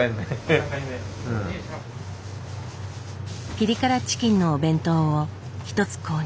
ピリ辛チキンのお弁当を一つ購入。